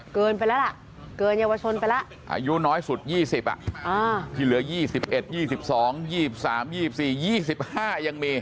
เกินไปแล้วล่ะเกินเยาวชนไปแล้วอายุน้อยสุด๒๐ที่เหลือ๒๑๒๒๒๓๒๔๒๕ยังมี